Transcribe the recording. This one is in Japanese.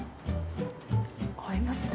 合いますね。